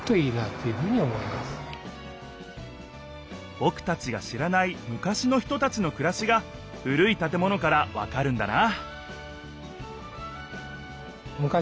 ぼくたちが知らない昔の人たちのくらしが古い建物からわかるんだなあ